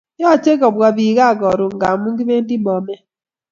Yache kopwa pi kaa karon ngamun kipendi Bomet